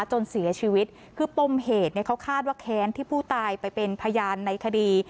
จนเสียชีวิตคือปมเหตุเนี่ยเขาคาดว่าแค้นที่ผู้ตายไปเป็นพยานในคดี